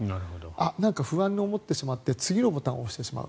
なんか不安に思ってしまって次のボタンを押してしまう。